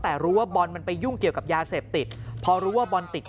แต่รู้ว่าบอลมันไปยุ่งเกี่ยวกับยาเสพติดพอรู้ว่าบอลติด